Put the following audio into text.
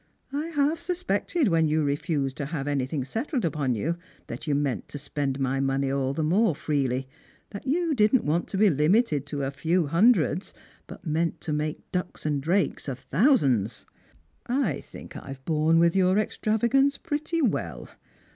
I half suspected when you refused to have anything settled upon you that you meant to spend my money all the more freely, that you didn't want to be limited to a few hundreds, but meant to make ducks and drakes of thousands. I think I've borne with your extragavance pretty well.